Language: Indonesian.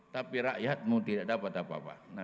tapi rakyatmu tidak dapat apa apa